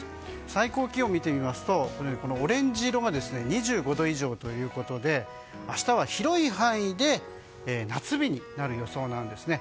最高気温を見てみますとオレンジ色が２５度以上で明日は広い範囲で夏日になる予想なんですね。